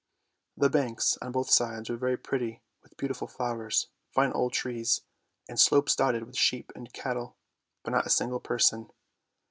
The banks on both sides were very pretty with beautiful flowers, fine old trees, and slopes dotted with sheep and cattle, but not a single person.